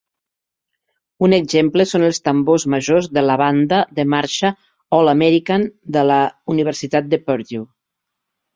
Un exemple són els tambors majors de la banda de marxa "All-American" de la Universitat de Purdue.